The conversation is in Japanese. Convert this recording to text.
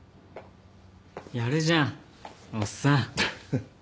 やるじゃんおっさん。